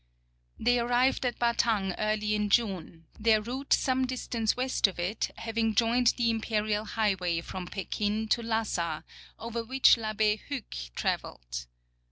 They arrived at Batang early in June, their route some distance west of it having joined the Im perial highway from Pekin to Lassa over which I'Abbe Hue travelled.